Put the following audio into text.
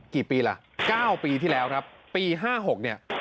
กี่ปีล่ะ๙ปีที่แล้วครับปี๕๖เนี่ย